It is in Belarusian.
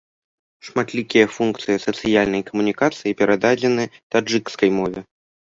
Шматлікія функцыі сацыяльнай камунікацыі перададзены таджыкскай мове.